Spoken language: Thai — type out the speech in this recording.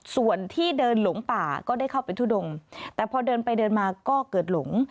ส่วนที่เดินหลงป่าก็ได้เข้าไปทุดงแต่พอเดินไปเดินมาก็เกิดหลง